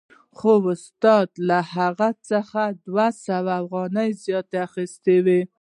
خو استاد له هغه څخه دوه سوه افغانۍ زیاتې اخیستې